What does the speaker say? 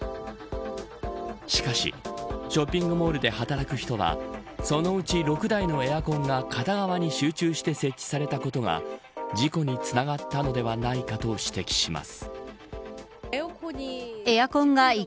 しかしショッピングモールで働く人はそのうち６台のエアコンが片側に集中して設置されたことが事故につながったのではないかと指摘します。